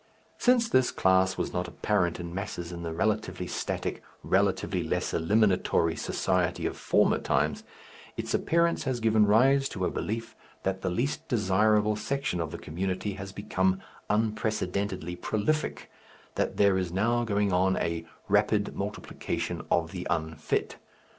Since this class was not apparent in masses in the relatively static, relatively less eliminatory, society of former times, its appearance has given rise to a belief that the least desirable section of the community has become unprecedentedly prolific, that there is now going on a "Rapid Multiplication of the Unfit."